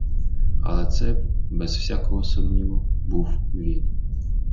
Але це, без всякого сумніву, був він.